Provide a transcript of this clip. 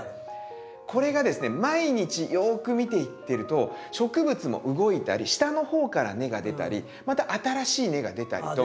これがですね毎日よく見ていってると植物も動いたり下の方から根が出たりまた新しい根が出たりと。